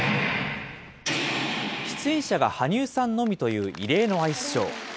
出演者が羽生さんのみという異例のアイスショー。